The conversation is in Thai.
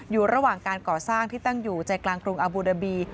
อยู่ระหว่างการก่อสร้างที่ตั้งอยู่ใจกลางกรุงอบูดาบี